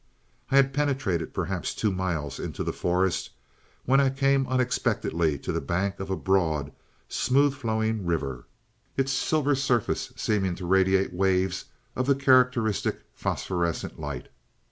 "I had penetrated perhaps two miles into the forest when I came unexpectedly to the bank of a broad, smooth flowing river, its silver surface seeming to radiate waves of the characteristic phosphorescent light.